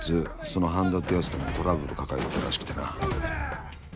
その般田ってやつともトラブル抱えてたらしくてな。